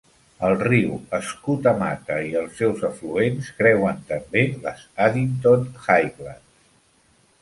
El riu Skootamatta i els seus afluents creuen també les Addington Highlands.